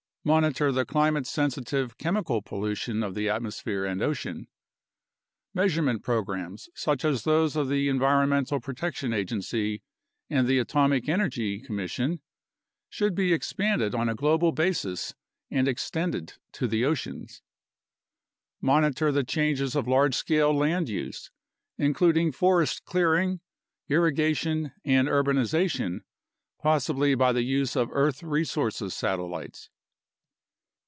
Monitor the climate sensitive chemical pollution of the atmosphere and ocean. Measurement programs such as those of the Environmental Protection Agency and the Atomic Energy Commission should be ex panded on a global basis and extended to the oceans. Monitor the changes of large scale land use, including forest clear ing, irrigation, and urbanization, possibly by the use of earth resources satellites.